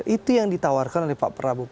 itu yang ditawarkan oleh pak prabowo